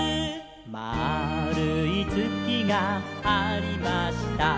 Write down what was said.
「まあるいつきがありました」